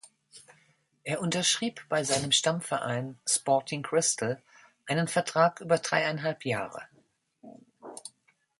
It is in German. Er unterschrieb bei seinem Stammverein Sporting Cristal einen Vertrag über dreieinhalb Jahre.